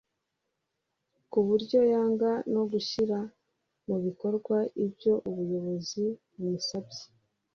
ku buryo yanga no gushyira mu bikorwa ibyo ubuyobozi bumusabye